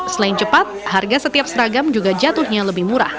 selain cepat harga setiap seragam juga jatuhnya lebih murah